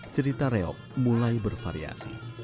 cerita reog mulai bervariasi